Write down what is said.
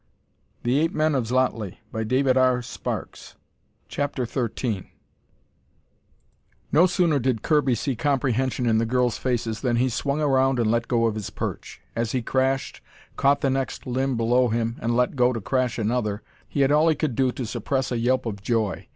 Me, I'm going down there and get Naida now!" CHAPTER XIII No sooner did Kirby see comprehension in the girls' faces than he swung around and let go of his perch. As he crashed, caught the next limb below him, and let go to crash to another, he had all he could do to suppress a yelp of joy.